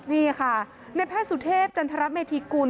นี่ค่ะในแพทย์สุเทพจันทรเมธีกุล